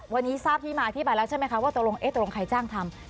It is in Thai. วันนี้ทราบที่มาที่ไปแล้วใช่ไหมคะว่าตกลงเอ๊ะตกลงใครจ้างทำ